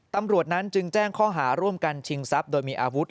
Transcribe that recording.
ตำรวจนั้นจึงแจ้งข้อหาร่วมกันชิงทรัพย์โดยมีอาวุธ